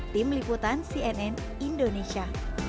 tim liputan cnn indonesia